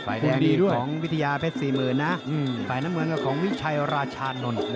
ฝ่ายแดงดีของวิทยาเพชร๔๐๐๐๐นะฝ่ายน้ำเหมือนกับของวิชัยราชานนท์